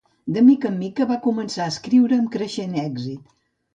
De mica en mica va començar a escriure amb creixent èxit.